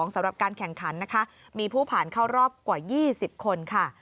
สำหรับการแข่งขันนะคะมีผู้ผ่านเข้ารอบกว่า๒๐คนค่ะ